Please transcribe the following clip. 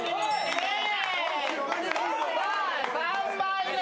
さあ３杯目。